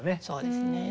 そうですね。